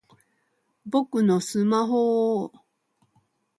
僕のスマホぉぉぉ！